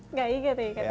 nggak inget ya kata ibu ya